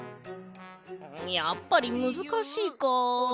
やっぱりむずかしいか。